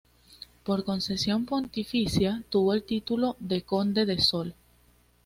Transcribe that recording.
Por concesión pontificia tuvo el título de Conde de Sol.